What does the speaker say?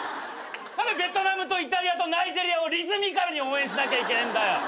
何でベトナムとイタリアとナイジェリアをリズミカルに応援しなきゃいけねえんだよ。